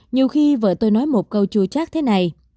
nhiều khi vợ tôi nói một câu chua chát thế này